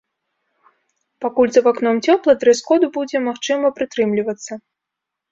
Пакуль за вакном цёпла, дрэс-коду будзе магчыма прытрымлівацца.